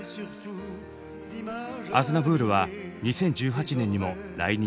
アズナヴールは２０１８年にも来日。